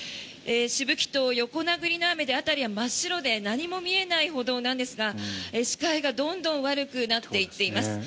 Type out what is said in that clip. しぶきと横殴りの雨で辺りは真っ白で何も見えないほどなんですが視界がどんどん悪くなっていっています。